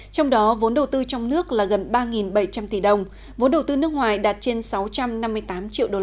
trong đó vốn đầu tư trong nước là gần ba bảy trăm linh tỷ đồng vốn đầu tư nước ngoài đạt trên sáu trăm năm mươi tám triệu usd